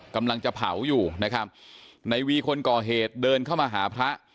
กำลังจะเผาอยู่นะครับในวีคนก่อเหตุเดินเข้ามาหาพระ